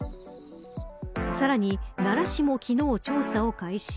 さらに奈良市も昨日調査を開始。